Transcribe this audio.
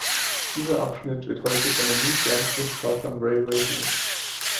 Dieser Abschnitt wird heute von der New Brunswick Southern Railway genutzt.